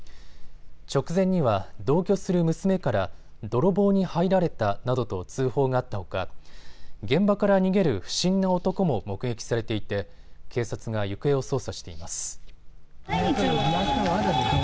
直前には同居する娘から泥棒に入られたなどと通報があったほか現場から逃げる不審な男も目撃されていて警察が行方を捜査しています。